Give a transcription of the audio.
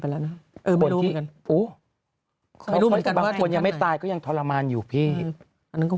แล้วนะบางคนยังไม่ตายก็ยังทรมานอยู่พี่อันนั้นก็